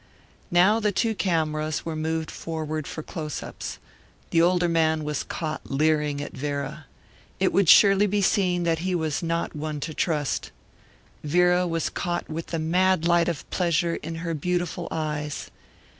Now the two cameras were moved forward for close ups. The older man was caught leering at Vera. It would surely be seen that he was not one to trust. Vera was caught with the mad light of pleasure in her beautiful eyes.